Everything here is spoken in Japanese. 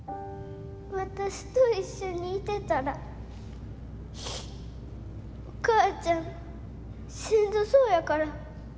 私と一緒にいてたらお母ちゃん、しんどそうやから。